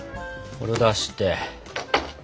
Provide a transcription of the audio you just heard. これを出して。